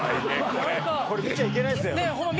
これこれ見ちゃいけないっすよホンマ